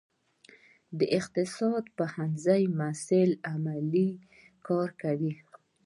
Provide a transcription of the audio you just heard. د اقتصاد پوهنځي محصلین عملي کار کوي؟